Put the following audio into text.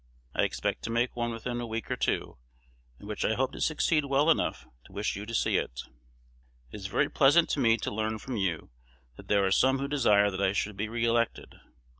I expect to make one within a week or two, in which I hope to succeed well enough to wish you to see it. It is very pleasant to me to learn from you that there are some who desire that I should be re elected.